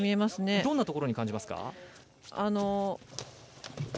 どんなところに感じますか？